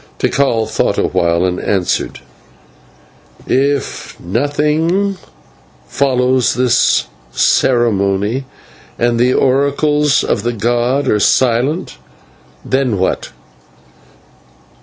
Now, Tikal thought awhile, and answered: "And if nothing follows this ceremony, and the oracles of the god are silent, what then?